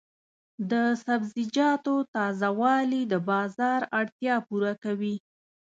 د سبزیجاتو تازه والي د بازار اړتیا پوره کوي.